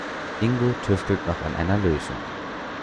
Ingo tüftelt noch an einer Lösung.